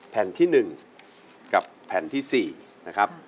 แผ่นที่๑กับแผ่นที่๔นะครับ